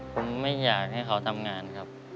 ผมไม่อยากให้เขาทำงานครับ